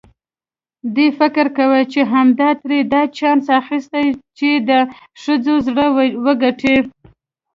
دی فکر کوي چې همدې ترې دا چانس اخیستی چې د ښځو زړه وګټي.